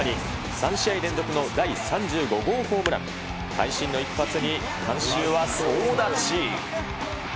３試合連続の第３５号ホームラン、会心の一発に観衆は総立ち。